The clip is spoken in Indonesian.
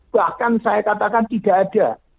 bahkan saya katakan tidak ada